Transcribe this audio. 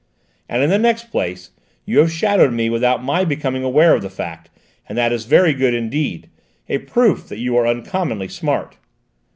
And, in the next place, you have shadowed me without my becoming aware of the fact, and that is very good indeed: a proof that you are uncommonly smart."